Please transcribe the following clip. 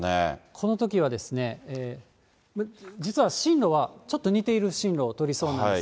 このときは、実は進路は、ちょっと似ている進路を取りそうなんです。